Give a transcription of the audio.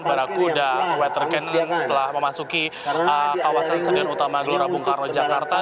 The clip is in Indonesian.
barakuda weather cannon yang telah memasuki kawasan stadion utama gelora bung karno jakarta